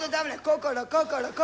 心心心。